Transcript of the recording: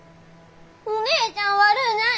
お姉ちゃん悪うない！